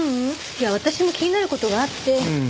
いや私も気になる事があって。